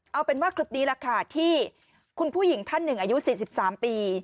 เอาเป็นว่าคลิปนี้แหละค่ะที่คุณผู้หญิงท่านหนึ่งอายุ๔๓ปี